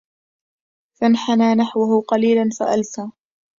فانحنى نحوه قليلاً فالفى